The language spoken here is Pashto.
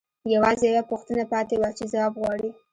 یوازې یوه پوښتنه پاتې وه چې ځواب غواړي